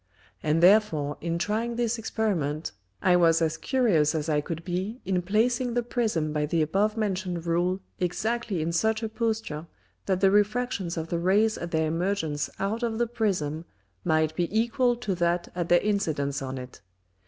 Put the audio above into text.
And therefore in trying this Experiment, I was as curious as I could be in placing the Prism by the above mention'd Rule exactly in such a Posture, that the Refractions of the Rays at their Emergence out of the Prism might be equal to that at their Incidence on it.